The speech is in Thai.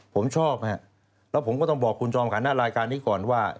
ผมชอบฮะแล้วผมก็ต้องบอกคุณจอมขันหน้ารายการนี้ก่อนว่า